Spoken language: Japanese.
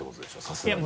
さすがに。